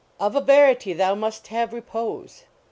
" Of a verity thou must have repose